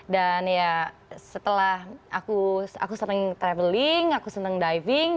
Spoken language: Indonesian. dan setelah aku sering travelling aku sering diving